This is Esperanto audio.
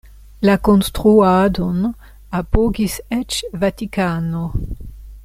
La konstruadon apogis eĉ Vatikano.